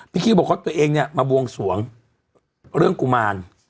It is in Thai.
พี่คิซว์ครอบครับตัวเองงี่มาบวงสวงเรื่องกุมาร